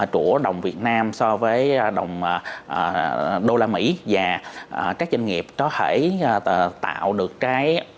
của đồng việt nam so với đồng usd và các doanh nghiệp có thể tạo được cái